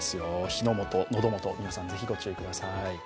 火の元、喉元、皆さん、ぜひご注意ください。